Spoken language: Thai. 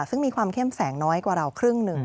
ซึ่งมีความเข้มแสงน้อยกว่าเราครึ่งหนึ่ง